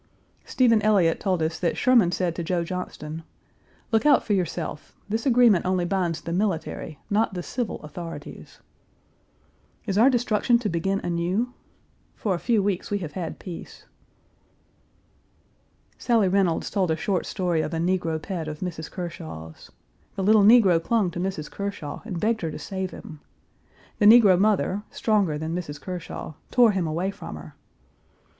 Stephen Elliott told us that Sherman said to Joe Johnston, "Look out for yourself. This agreement only binds the military, not the civil, authorities." Is our destruction to begin anew? For a few weeks we have had peace. Sally Reynolds told a short story of a negro pet of Mrs. Kershaw's. The little negro clung to Mrs. Kershaw and begged her to save him. The negro mother, stronger than Mrs. Kershaw, tore him away from her. Mrs.